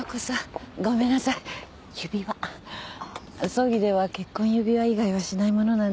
葬儀では結婚指輪以外はしないものなんです。